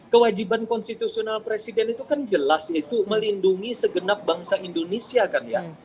kewajiban konstitusional presiden itu kan jelas itu melindungi segenap bangsa indonesia kan ya